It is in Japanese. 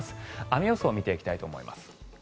雨予想を見ていきたいと思います。